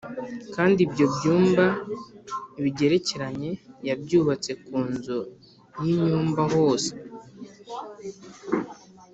Kandi ibyo byumba bigerekeranye yabyubatse ku nzu y’inyumba hose